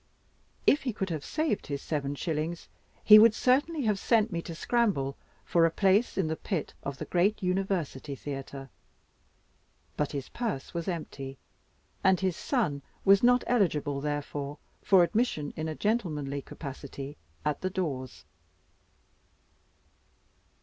If he could have saved his seven shillings, he would certainly have sent me to scramble for a place in the pit of the great university theater; but his purse was empty, and his son was not eligible therefore for admission, in a gentlemanly capacity, at the doors.